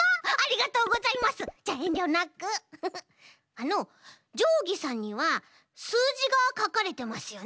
あのじょうぎさんにはすうじがかかれてますよね。